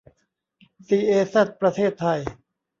ซี เอ แซด ประเทศไทย